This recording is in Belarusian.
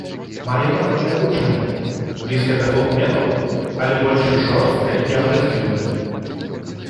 Мае народнае гучанне, блізкае да фолк-металу, але больш жорсткае і агрэсіўнае.